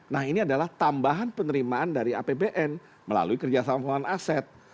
nah ini adalah tambahan penerimaan dari apbn melalui kerjasama pengelolaan aset